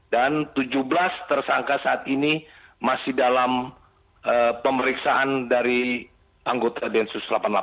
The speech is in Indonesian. dan tujuh belas tersangka saat ini masih dalam pemeriksaan dari anggota densus delapan puluh delapan